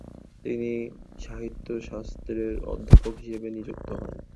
তিনি সাহিত্যশাস্ত্রের অধ্যাপক হিসাবে নিযুক্ত হন।